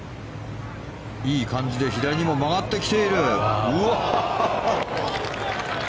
いい感じで左にも曲がってきている。